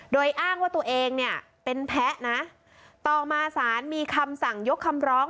โดยอ้างว่าตัวเองเนี่ยเป็นแพ้นะต่อมาศาลมีคำสั่งยกคำร้อง